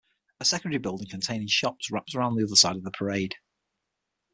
A secondary building containing shops wraps around the other side of the parade.